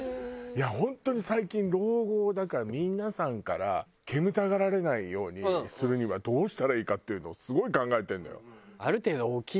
いや本当に最近老後だから皆さんから煙たがれないようにするにはどうしたらいいかっていうのをすごい考えてるのよ。